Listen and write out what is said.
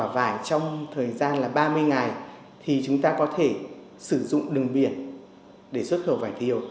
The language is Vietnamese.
và trong thời gian là ba mươi ngày thì chúng ta có thể sử dụng đường biển để xuất khẩu vải thiều